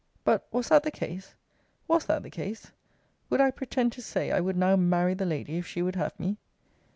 But, was that the case? Was that the case? Would I pretend to say, I would now marry the lady, if she would have me?